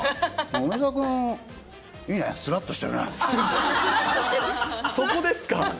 梅澤君、いいね、すらっとしそこですか。